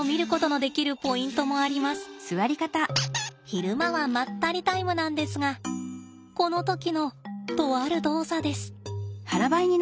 昼間はまったりタイムなんですがこの時のとある動作です。